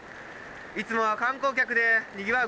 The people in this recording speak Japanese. いつもは観光客でにぎわう